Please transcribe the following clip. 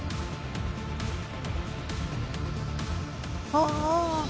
ああ！